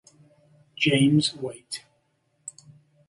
James White.